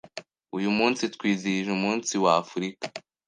Uyu munsi twizihije umunsi wa Afurika.